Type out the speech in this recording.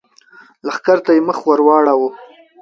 لښکر ته يې مخ ور واړاوه!